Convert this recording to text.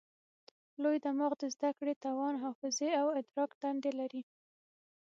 لوی دماغ د زده کړې، توان، حافظې او ادراک دندې لري.